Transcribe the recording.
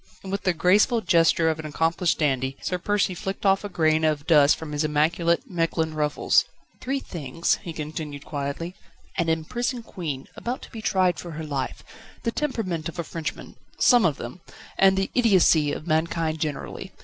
And with the graceful gesture of an accomplished dandy, Sir Percy flicked off a grain of dust from his immaculate Mechlin ruffles. "Three things," he continued quietly; "an imprisoned Queen, about to be tried for her life, the temperament of a Frenchman some of them and the idiocy of mankind generally.